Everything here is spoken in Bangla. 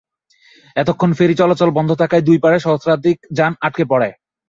এতক্ষণ ফেরি চলাচল বন্ধ থাকায় দুই পাড়ে সহস্রাধিক যান আটকা পড়ে।